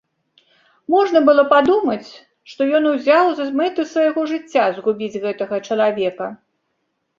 Можна было падумаць, што ён узяў за мэту свайго жыцця згубіць гэтага чалавека.